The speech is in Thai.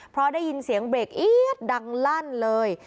เพราะได้ยินเสียงเบรคดังล่านเลย